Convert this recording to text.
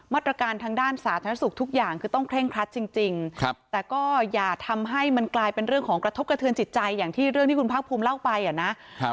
ทางด้านสาธารณสุขทุกอย่างคือต้องเคร่งครัดจริงแต่ก็อย่าทำให้มันกลายเป็นเรื่องของกระทบกระเทือนจิตใจอย่างที่เรื่องที่คุณภาคภูมิเล่าไปอ่ะนะครับ